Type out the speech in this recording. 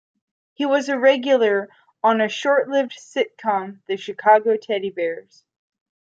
He was a regular on a short-lived sitcom, "The Chicago Teddy Bears".